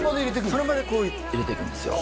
その場で入れていくんですよ